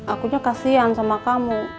akunya kasian sama kamu